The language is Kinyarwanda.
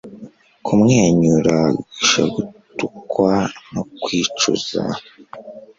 Kumwenyura guhisha gutukwa no kwicuza